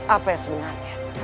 apa yang sebenarnya